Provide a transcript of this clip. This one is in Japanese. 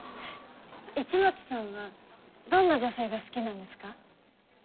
市松さんはどんな女性が好きなんですか？